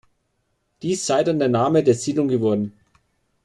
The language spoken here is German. Dies sei dann der Name der Siedlung geworden.